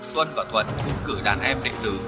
tuân và thuận cũng cử đàn em đệ tử